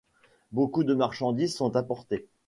Beaucoup de marchandises sont importées.